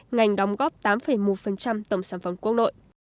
ngành đóng góp tám một tổng sản phẩm quốc nội